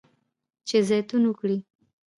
چې زیتون وکري.